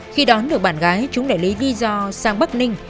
khi đón được bạn gái chúng lại lấy lý do sang bắc ninh